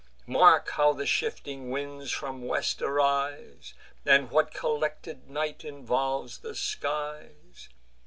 Mark how the shifting winds from west arise, And what collected night involves the skies!